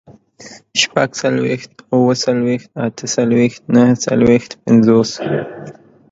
شپږڅلوېښت، اووه څلوېښت، اته څلوېښت، نهه څلوېښت، پينځوس